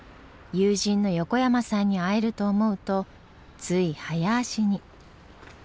友人の横山さんに会えると思うとつい早足に。